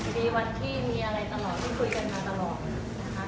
มีวันที่มีอะไรตลอดไม่ได้คุยกันมาตลอด